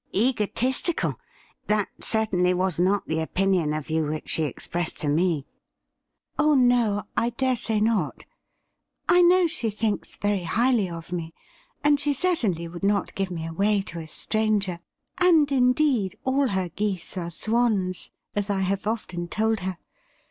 'Egotistical.? That certainly was not the opinion of you which she expressed to me.' ' Oh no, I dare say not. I know she thinks vei y highly of me, and she certainly would not give me away to a stranger ; and, indeed, all her geese are swans, as I have often told her.